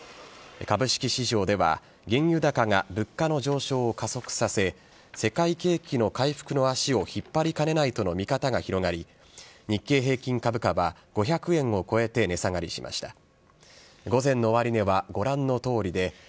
株式市場では、原油高が物価の上昇を加速させ、世界景気の回復の足を引っ張りかねないとの見方が広がり、日経平均株価は、５００円を超えて値下がりしました。